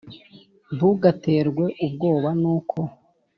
Ntugaterwe ubwoba n uko